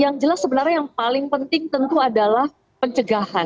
yang jelas sebenarnya yang paling penting tentu adalah pencegahan